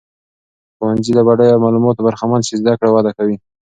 که ښوونځۍ له بډایه معلوماتو برخمن سي، زده کړه وده کوي.